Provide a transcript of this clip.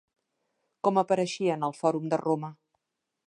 Com apareixien al Fòrum de Roma?